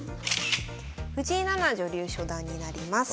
藤井奈々女流初段になります。